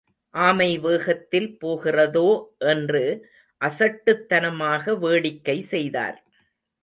ஆமை வேகத்தில் போகிறதோ என்று அசட்டுத்தனமாக வேடிக்கை செய்தார்.